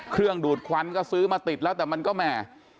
ดูดควันก็ซื้อมาติดแล้วแต่มันก็แหม่